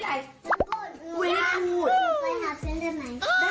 เพราะถามับที่เราทำมั้ย